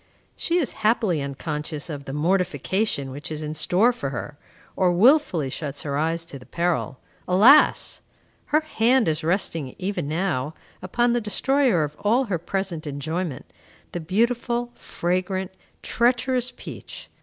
She is happily unconscious of the mortification which is in store for her, or wilfully shuts her eyes to the peril. Alas! Her hand is resting, even now, upon the destroyer of all her present enjoyment, the beautiful, fragrant, treacherous peach.